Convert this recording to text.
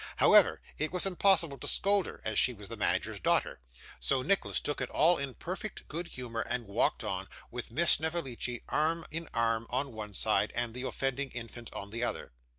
However, it was impossible to scold her, as she was the manager's daughter, so Nicholas took it all in perfect good humour, and walked on, with Miss Snevellicci, arm in arm on one side, and the offending infant on the other.